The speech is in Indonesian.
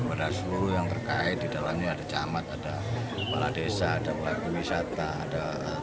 kepada seluruh yang terkait di dalamnya ada camat ada kepala desa ada pelaku wisata ada